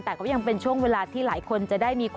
แต่ก็ยังเป็นช่วงเวลาที่หลายคนจะได้มีความ